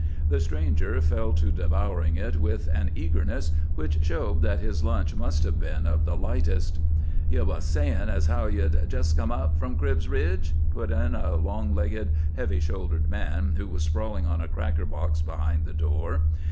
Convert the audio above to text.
The stranger fell to devouring it with an eagerness which showed that his lunch must have been of the lightest. "Ye was sayin' as how ye'd jest come up from Cribb's Ridge?" put in a long legged, heavy shouldered man who was sprawling on a cracker box behind the door.